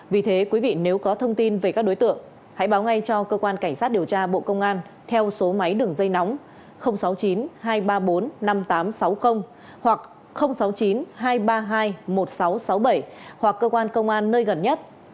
vì thế quý vị nếu có thông tin về các đối tượng hãy báo ngay cho cơ quan cảnh sát điều tra bộ công an theo số máy đường dây nóng sáu mươi chín hai trăm ba mươi bốn năm nghìn tám trăm sáu mươi hoặc sáu mươi chín hai trăm ba mươi hai một nghìn sáu trăm sáu mươi bảy hoặc cơ quan công an nơi gần nhất